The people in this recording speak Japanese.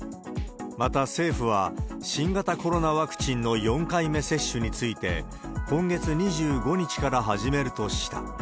また、政府は、新型コロナワクチンの４回目接種について、今月２５日から始めるとした。